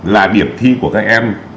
là điểm thi của các em